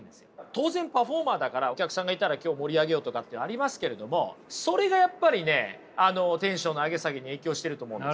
当然パフォーマーだからお客さんがいたら今日盛り上げようとかってありますけれどもそれがやっぱりねテンションの上げ下げに影響していると思うんです。